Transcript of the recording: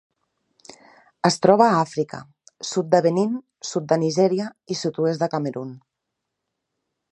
Es troba a Àfrica: sud de Benín, sud de Nigèria i sud-oest del Camerun.